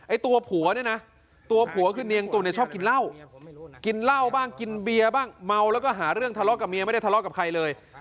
ตัวผัวเนี่ยนะตัวผัวคือเนียงตุลเนี่ยชอบกินเหล้ากินเหล้าบ้างกินเบียร์บ้างเมาแล้วก็หาเรื่องทะเลาะกับเมียไม่ได้ทะเลาะกับใครเลย